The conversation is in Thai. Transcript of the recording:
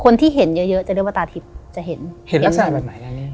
คนที่เห็นเยอะเยอะจะเรียกว่าตาทิพย์จะเห็นเห็นลักษณะแบบนี้